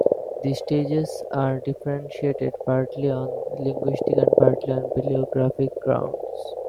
These stages are differentiated partly on linguistic and partly on paleographic grounds.